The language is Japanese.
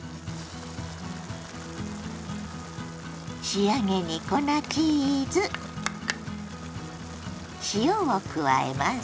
仕上げに粉チーズ塩を加えます。